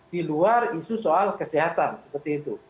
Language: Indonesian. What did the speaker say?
di luar isu soal kesehatan seperti itu